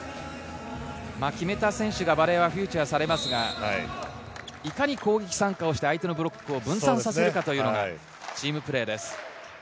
決めた選手はバレーはフィーチャーされますが、いかに攻撃参加をして相手のブロックを分散させるかというのがチームプレーです。